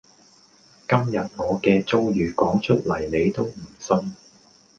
今日我嘅遭遇講出嚟你都唔信